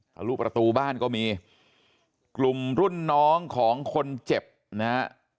ทะลุประตูบ้านก็มีกลุ่มรุ่นน้องของคนเจ็บนะฮะ